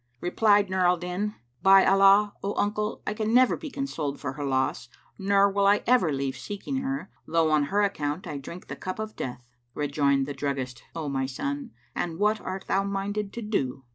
Replied Nur al Din, "By Allah, O uncle, I can never be consoled for her loss nor will I ever leave seeking her, though on her account I drink the cup of death!" Rejoined the druggist, "O my son, and what art thou minded to do?"